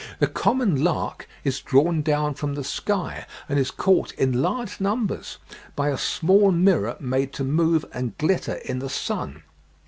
The common lark is drawn down from the sky, and is caught in large numbers, by a small mirror made to move and glitter in the sun.